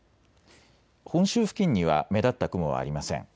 本州付近には目立った雲はありません。